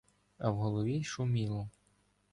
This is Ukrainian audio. А в голові шуміло.